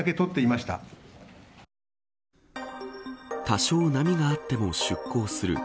多少、波があっても出港する。